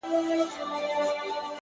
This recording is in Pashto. علم د حقیقت پېژندلو وسیله ده!